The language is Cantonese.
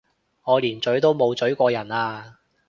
我連咀都冇咀過人啊！